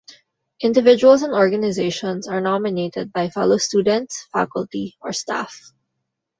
Individuals and organizations are nominated by fellow students, faculty or staff.